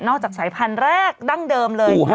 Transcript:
จากสายพันธุ์แรกดั้งเดิมเลย